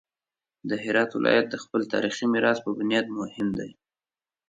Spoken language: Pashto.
د هرات ولایت د خپل تاریخي میراث په بنیاد مهم دی.